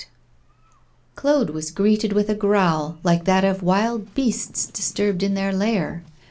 Claude was greeted with a growl like that of wild beasts disturbed in their lair.